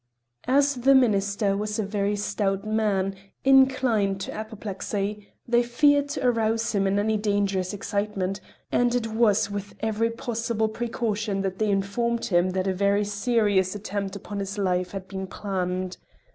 As the Minister was a very stout man, inclined to apoplexy, they feared to arouse in him any dangerous excitement, and it was with every possible precaution that they informed him that a very serious attempt upon his life had been planned.